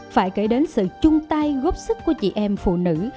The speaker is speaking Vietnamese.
phải kể đến sự chung tay góp sức của chị em phụ nữ